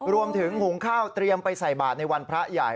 หุงข้าวเตรียมไปใส่บาทในวันพระใหญ่